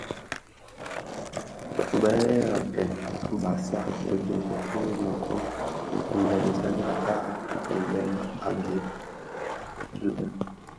Bēghèrakèn basag tigèni dhi mekon mboňzèn dhitaa mlem a gib lè ag.